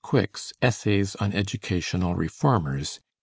Quick's 'Essays on Educational Reformers' (1868).